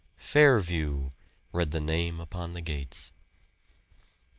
"Fairview," read the name upon the gates.